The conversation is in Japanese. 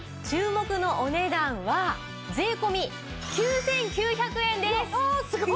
注目のお値段は税込９９００円です。